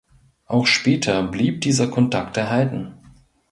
Auch später blieb dieser Kontakt erhalten.